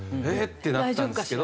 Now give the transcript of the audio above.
ってなったんですけど。